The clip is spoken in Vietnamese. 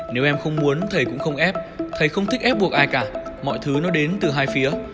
nếu em không muốn thầy cũng không ép thầy không thích ép buộc ai cả mọi thứ nó đến từ hai phía